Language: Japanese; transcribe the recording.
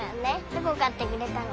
チョコ買ってくれたの。